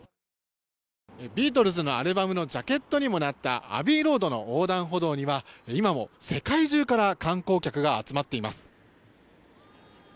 ビートルズのアルバムのジャケットにもなったアビーロードの横断歩道には今も世界中から観光客が集まっています。